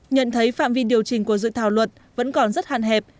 nhận thấy phạm vi điều chỉnh của dự thảo luật vẫn còn rất hạn hẹp